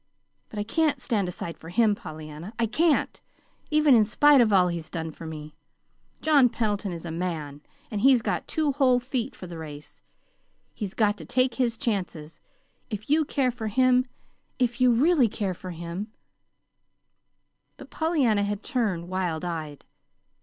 But I can't stand aside for him, Pollyanna. I can't even in spite of all he's done for me. John Pendleton is a man, and he's got two whole feet for the race. He's got to take his chances. If you care for him if you really care for him " But Pollyanna had turned, wild eyed.